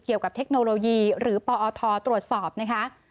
เกี่ยวกับเทคโนโลยีหรือปอตรวจสอบนะครับ